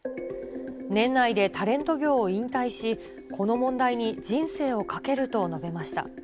年内でタレント業を引退し、この問題に人生をかけると述べました。